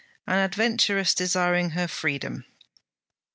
An adventuress desiring her freedom!